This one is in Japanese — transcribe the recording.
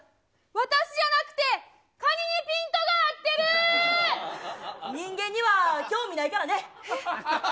私じゃなくて、カニにピント人間には興味ないからね。